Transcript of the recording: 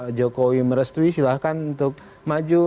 pak jokowi merestui silahkan untuk maju